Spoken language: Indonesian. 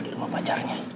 dia mau di rumah pacarnya